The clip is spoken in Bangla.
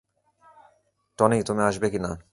টনি, তুমি আসবে কিনা?